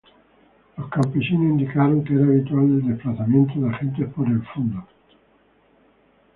Los campesinos indicaron que era habitual el desplazamiento de agentes por el fundo.